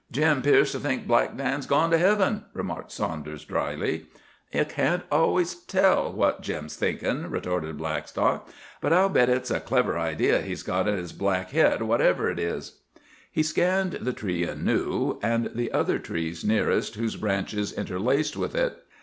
"Jim 'pears to think Black Dan's gone to Heaven," remarked Saunders drily. "Ye can't always tell what Jim's thinkin'," retorted Blackstock. "But I'll bet it's a clever idea he's got in his black head, whatever it is." He scanned the tree anew and the other trees nearest whose branches interlaced with it.